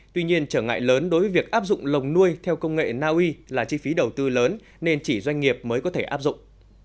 tuy nhiên trở ngại lớn đối với việc áp dụng lồng nuôi theo công nghệ naui là chi phí đầu tư lớn nên chỉ doanh nghiệp mới có thể áp dụng